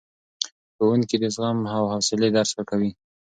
ښوونکي د زغم او حوصلې درس ورکوي.